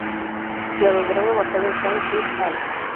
Cladograma basado en Zhang "et al.